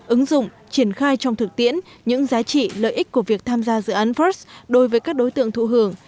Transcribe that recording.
ứng dụng triển khai trong thực tiễn những giá trị lợi ích của việc tham gia dự án first đối với các đối tượng thụ hưởng